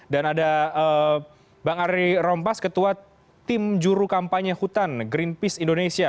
dan ada bang ari rompas ketua tim juru kampanye hutan greenpeace indonesia